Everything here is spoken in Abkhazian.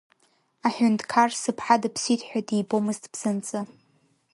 Аҳәынҭқар, сыԥҳа дыԥсит ҳәа, дибомызт бзанҵы.